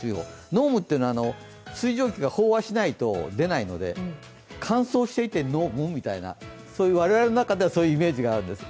濃霧というのは水蒸気が飽和しないと出ないので、乾燥していて濃霧？みたいな我々の中ではそういうイメージがあるんです。